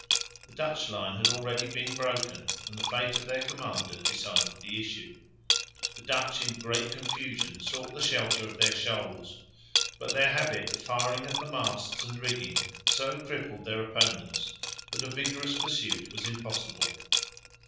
The Dutch line had already been broken, and the fate of their commander decided the issue. The Dutch in great confusion sought the shelter of their shoals, but their habit of firing at the masts and rigging had so crippled their opponents that a vigorous pursuit was impossible.